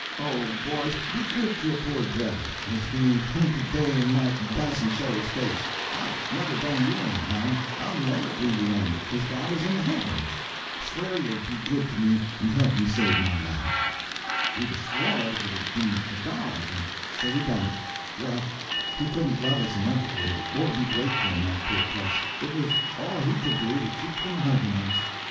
Oh, boys, be good to a poor devil that's being hunted day and night, and dasn't show his face! I've never done you any harm; I'll never do you any, as God is in the heavens; swear you'll be good to me and help me save my life." [Illustration: Swear you'll be good to me and help me save my life.] We'd a swore it if he'd been a dog; and so we done it. Well, he couldn't love us enough for it or be grateful enough, poor cuss; it was all he could do to keep from hugging us.